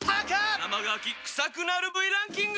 生乾き臭くなる部位ランキング！！